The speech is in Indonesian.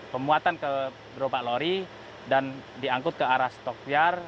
pemuatan ke berupa lori dan diangkut ke arah stok liar